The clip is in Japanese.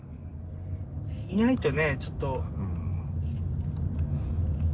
いないとねちょっと。